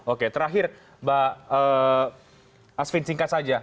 oke terakhir mbak asvin singkat saja